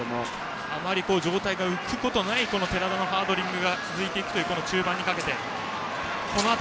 あまり上体が浮くことない寺田のハードリングが続いていくという、中盤にかけて。